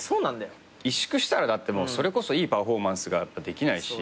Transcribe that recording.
萎縮したらだってそれこそいいパフォーマンスができないし。